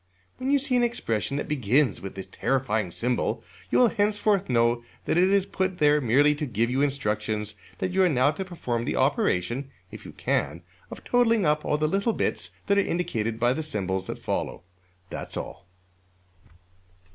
When you see an expression that begins with this terrifying symbol, you will henceforth know that it is put there merely to give you instructions that you are now to perform the operation (if you can) of totalling up all the little bits that are indicated by the symbols that follow. That's all.